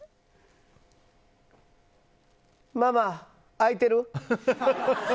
ママ、開いてる？